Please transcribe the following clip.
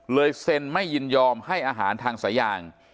เซ็นไม่ยินยอมให้อาหารทางสายาง